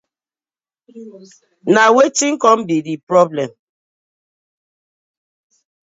Na wetin com bi di problem.